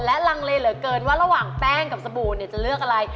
และลังเลเหลือเกินว่าระหว่างแป้งกับสบู่จะเลือกอะไร